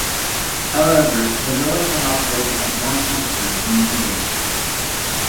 However, the village has operated as one entity for many years.